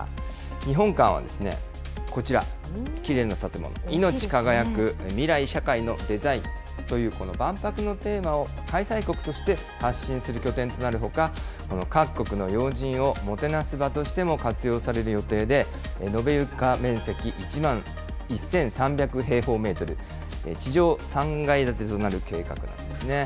日本館はですね、こちら、きれいな建物、いのち輝く未来社会のデザインという、この万博のテーマを開催国として発信する拠点となるほか、この各国の要人をもてなす場としても活用される予定で、延べ床面積１万１３００平方メートル、地上３階建てとなる計画なんですね。